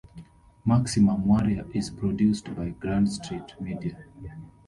Maximum Warrior is produced by Grand Street Media.